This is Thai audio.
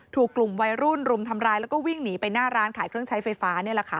ถูกกลุ่มวัยรุ่นรุมทำร้ายแล้วก็วิ่งหนีไปหน้าร้านขายเครื่องใช้ไฟฟ้านี่แหละค่ะ